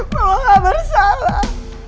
mama gak bersalah